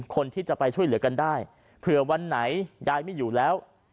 คนที่จะไปช่วยเหลือกันได้เผื่อวันไหนยายไม่อยู่แล้ว